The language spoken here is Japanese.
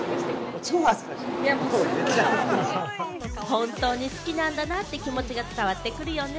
本当に好きなんだなって気持ちが伝わってくるよね。